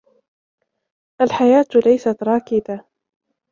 الحياة ليست راكدة.